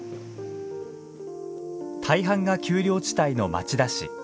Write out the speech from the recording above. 大半が丘陵地帯の町田市。